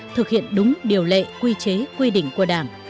thực hiện đúng điều lệ quy chế quy định của đảng